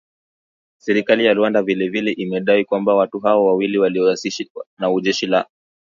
Serikali ya Rwanda vile vile imedai kwamba watu hao wawili walioasilishwa na jeshi la